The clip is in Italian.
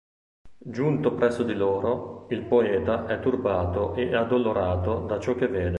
Giunto presso di loro, il poeta è turbato e addolorato da ciò che vede.